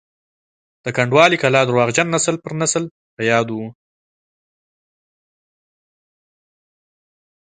د کنډوالې کلا درواغجن نسل پر نسل په یادو وو.